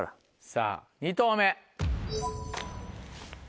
さぁ２投目。